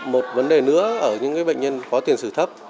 một vấn đề nữa ở những bệnh nhân có tiền sử thấp